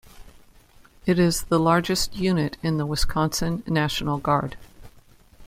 It is the largest unit in the Wisconsin National Guard.